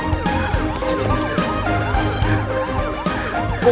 bu bu bingit bu